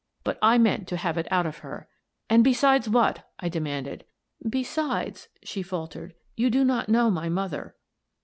But I meant to have it out of her. " And besides what ?" I demanded. " Besides," she faltered, " you do not know my mother."